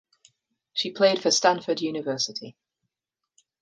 She played for Stanford University.